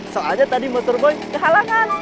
soalnya tadi motor boy kehalangan